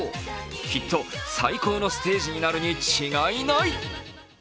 きっと、最高のステージになるに違いない！